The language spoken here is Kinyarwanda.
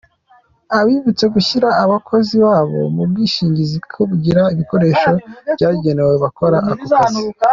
Abibutsa gushyira abakozi babo mu bwishingizi no kugira ibikoresho byagenewe abakora ako kazi.